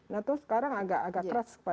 nato sekarang agak trust pada indonesia